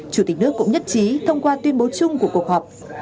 chủ tịch nước cũng nhất trí thông qua tuyên bố chung của cuộc họp